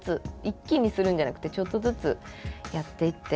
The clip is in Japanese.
一気にするんじゃなくてちょっとずつやっていって。